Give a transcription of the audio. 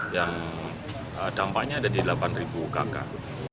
yang dampaknya ada di delapan kakak